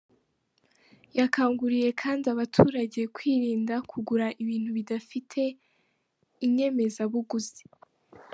Yakanguriye kandi abaturage kwirinda kugura ibintu bidafite inyemezabuguzi.